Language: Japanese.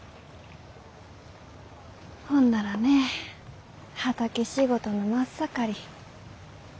ほんならね畑仕事の真っ盛り。